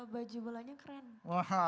baju bolanya keren